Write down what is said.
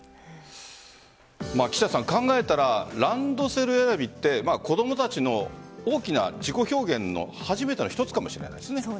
岸田さん、考えたらランドセル選びって子供たちの大きな自己表現の初めての一つかもしれないですね。